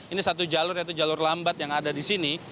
ini satu jalur yaitu jalur lambat yang ada di sini